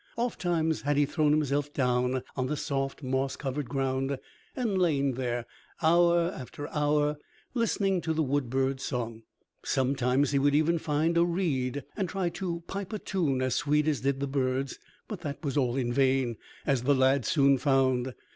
Ofttimes had he thrown himself down on the soft, moss covered ground and lain there hour after hour, listening to the wood bird's song. Sometimes he would even find a reed and try to pipe a tune as sweet as did the birds, but that was all in vain, as the lad soon found.